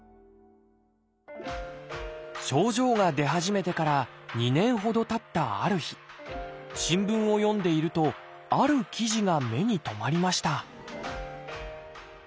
症状が出始めてから２年ほどたったある日新聞を読んでいるとある記事が目に留まりました